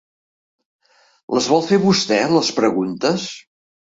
Les vol fer vostè, les preguntes?